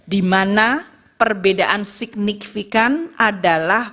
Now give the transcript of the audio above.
dimana perbedaan signifikan adalah